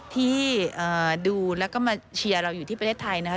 ที่ดูแล้วก็มาเชียร์เราอยู่ที่ประเทศไทยนะครับ